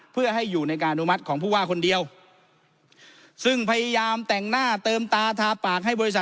เพื่อให้อยู่ในการอนุมัติของผู้ว่าคนเดียวซึ่งพยายามแต่งหน้าเติมตาทาปากให้บริษัท